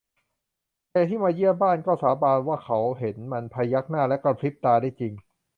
แขกที่มาเยี่ยมบ้านก็สาบานว่าเขาเห็นมันพยักหน้าและกะพริบตาได้จริง